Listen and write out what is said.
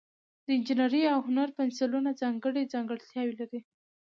د انجینرۍ او هنر پنسلونه ځانګړي ځانګړتیاوې لري.